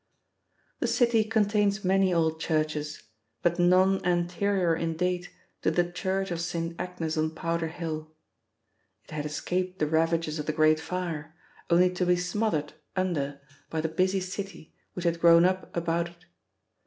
The city contains many old churches, but none anterior in date to the church of St. Agnes on Powder Hill. It had escaped the ravages of the Great Fire, only to be smothered under by the busy city which had grown up about it.